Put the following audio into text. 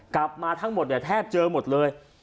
กลับมาทั้งหมดแทบเจอะหมดเลย